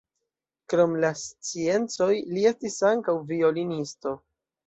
Krom la sciencoj li estis ankaŭ violonisto.